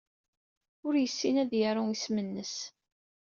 Ur yessin ad yaru isem-nnes.